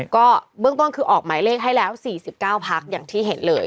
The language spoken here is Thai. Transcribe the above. ก็เบื้องต้นคือออกหมายเลขให้แล้ว๔๙พักอย่างที่เห็นเลย